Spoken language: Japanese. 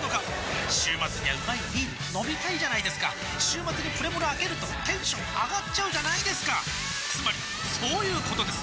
週末にはうまいビール飲みたいじゃないですか週末にプレモルあけるとテンション上がっちゃうじゃないですかつまりそういうことです！